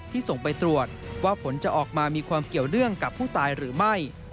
ส่งไปตรวจว่าผลจะออกมามีความเกี่ยวเนื่องกับผู้ตายหรือไม่